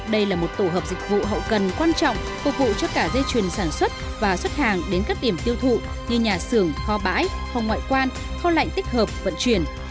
đây là một tổ hợp dịch vụ hậu cần quan trọng phục vụ cho cả dây chuyển sản xuất và xuất hàng đến các điểm tiêu thụ như nhà xưởng kho bãi phòng ngoại quan kho lạnh tích hợp vận chuyển